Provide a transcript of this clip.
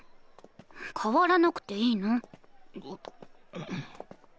変わらなくていいの？